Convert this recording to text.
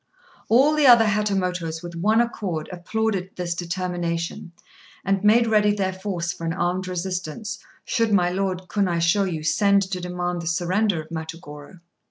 All the other Hatamotos, with one accord, applauded this determination, and made ready their force for an armed resistance, should my Lord Kunaishôyu send to demand the surrender of Matugorô.